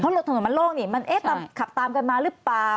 รถถนนมันโล่งนี่มันขับตามกันมาหรือเปล่า